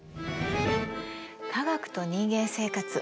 「科学と人間生活」